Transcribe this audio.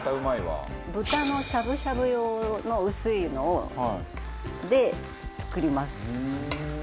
豚のしゃぶしゃぶ用の薄いので作ります。